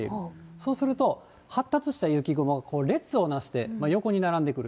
そうすると、発達した雪雲が列を成して横に並んでくる。